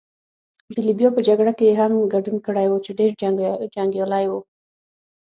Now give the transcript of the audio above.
د لیبیا په جګړه کې يې هم ګډون کړی وو، چې ډېر جنګیالی وو.